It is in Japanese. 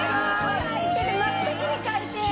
真っ先に書いてん。